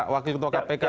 wakil ketua kpk